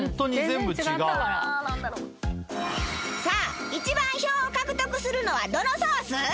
さあ一番票を獲得するのはどのソース？